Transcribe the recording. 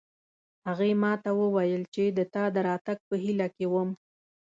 هغې ما ته وویل چې د تا د راتګ په هیله کې وم